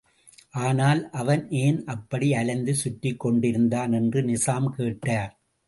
ஆனால், அவன் ஏன் அப்படி அலைந்து சுற்றிக் கொண்டிருந்தான்! என்று நிசாம் கேட்டார்.